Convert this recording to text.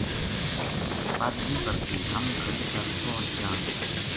پل نیہہ برہتی ہم گلی تا پوہچ جاں گا